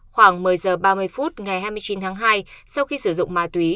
khoảng một mươi h ba mươi phút ngày hai mươi chín tháng hai sau khi sử dụng ma túy